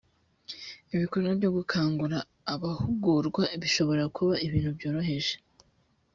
ibikorwa byo gukangura abahugurwa bishobora kuba ibintu byoroheje